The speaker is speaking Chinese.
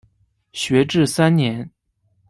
学制三年。